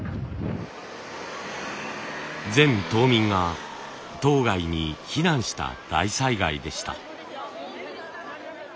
全島民が島外に避難した大災害でした。